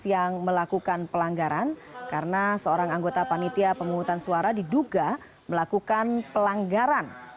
yang melakukan pelanggaran karena seorang anggota panitia pemungutan suara diduga melakukan pelanggaran